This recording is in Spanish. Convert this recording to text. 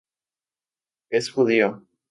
Es judío.